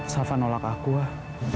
sava nolak aku wah